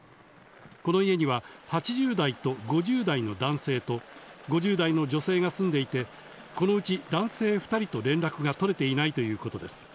この家には８０代と５０代の男性と５０代の女性が住んでいて、このうち男性２人と連絡が取れていないということです。